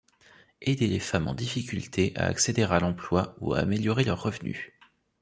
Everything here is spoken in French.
Aider les femmes en difficulté à accéder à l'emploi ou à améliorer leurs revenus.